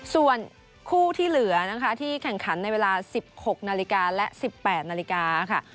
ส่วนคู่ที่เหลือนะคะที่แข่งขันในเวลา๑๖นาฬิกาและ๑๘นาฬิกาค่ะ